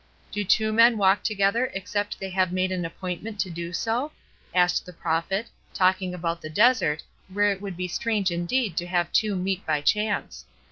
"Do two men walk together except they have made an appointment to do so?" asked the prophet, talking about the desert where it would be strange indeed to have two meet by chance.